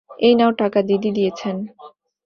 এই নাও টাকা, দিদি দিয়েছেন।